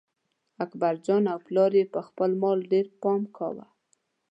اکبرجان او پلار یې په خپل مال ډېر پام کاوه.